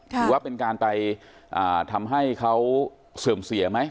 หรือว่าเป็นการไปทำให้เขาเสื่อมเสียไหม